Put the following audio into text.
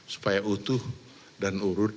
supaya utuh dan urut